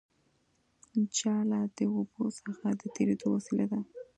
جاله د اوبو څخه د تېرېدو وسیله ده